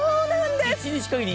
１日限り